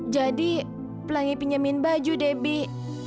jadi pelangi pinjemin baju debbie